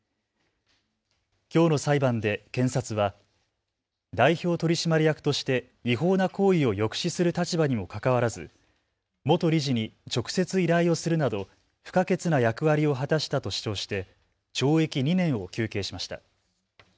きょうの裁判で検察は代表取締役として違法な行為を抑止する立場にもかかわらず元理事に直接、依頼をするなど不可欠な役割を果たしたと主張して懲役２年を求刑しました。